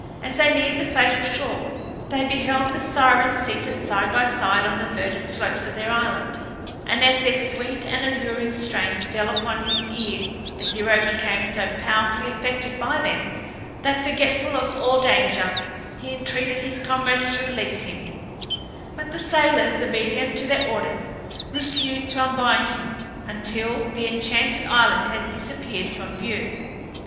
As they neared the fatal shore they beheld the Sirens seated side by side on the verdant slopes of their island; and as their sweet and alluring strains fell upon his ear the hero became so powerfully affected by them, that, forgetful of all danger, he entreated his comrades to release him; but the sailors, obedient to their orders, refused to unbind him until the enchanted island had disappeared from view.